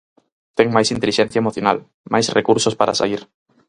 Ten máis intelixencia emocional, máis recursos para saír.